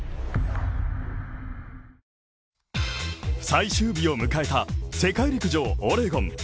最終日を迎えた世界陸上オレゴン。